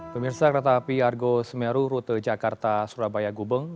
pemirsa kereta api argo semeru rute jakarta surabaya gubeng